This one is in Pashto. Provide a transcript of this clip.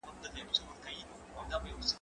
زه پرون سپينکۍ مينځلې؟